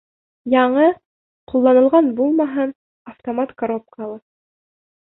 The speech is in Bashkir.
Яңы, ҡулланылған булмаһын, автомат коробкалы.